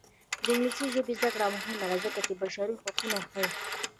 د انګلیسي ژبې زده کړه مهمه ده ځکه چې بشري حقونه ښيي.